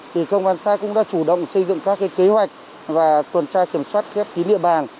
thì công an xã cũng đã chủ động xây dựng các kế hoạch và tuần tra kiểm soát khép kín địa bàn